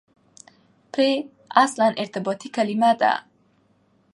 پرې اصلاً ارتباطي کلیمه ده.